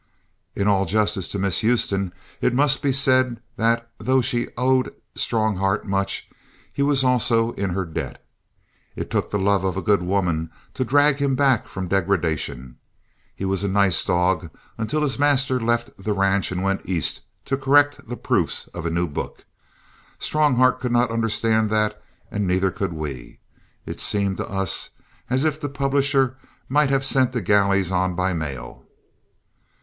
In all justice to Miss Houston, it must be said that, though she owed Strongheart much, he was also in her debt. It took the love of a good woman to drag him back from degradation. He was a nice dog until his master left the ranch and went East to correct the proofs of a new book. Strongheart could not understand that and neither could we. It seemed to us as if the publisher might have sent the galleys on by mail.